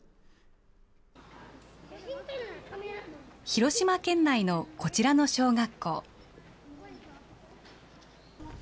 広島県内のこちらの小学校。